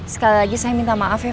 sekali lagi saya minta maaf ya